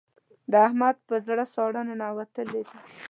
د احمد په زړه ساړه ننوتلې ده.